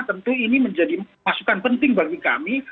tentu ini menjadi masukan penting bagi kami